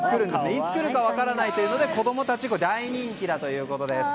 いつ来るか分からないので子供たちに大人気ということです。